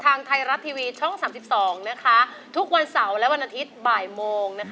ทางไทยรัฐทีวีช่อง๓๒นะคะทุกวันเสาร์และวันอาทิตย์บ่ายโมงนะคะ